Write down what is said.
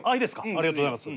ありがとうございます。